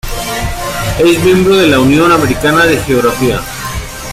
Es miembro de la Unión Americana de Geofísica.